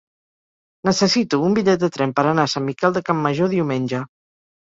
Necessito un bitllet de tren per anar a Sant Miquel de Campmajor diumenge.